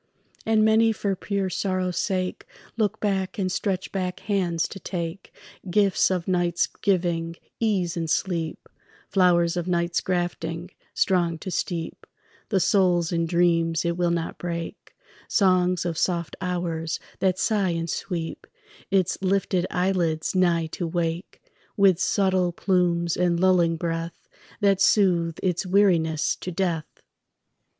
And many for pure sorrow's sake Look back and stretch back hands to take Gifts of night's giving, ease and sleep, Flowers of night's grafting, strong to steep The soul in dreams it will not break, Songs of soft hours that sigh and sweep Its lifted eyelids nigh to wake With subtle plumes and lulling breath That soothe its weariness to death.